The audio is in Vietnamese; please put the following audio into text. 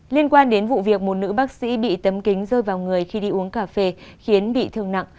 liên quan đến vụ việc một nữ bác sĩ bị tấm kính rơi vào người khi đi uống cà phê khiến bị thương nặng